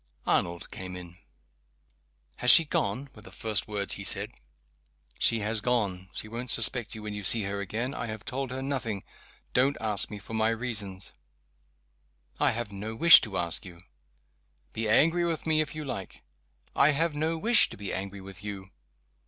Arnold came in. "Has she gone?" were the first words he said. "She has gone. She won't suspect you when you see her again. I have told her nothing. Don't ask me for my reasons!" "I have no wish to ask you." "Be angry with me, if you like!" "I have no wish to be angry with you."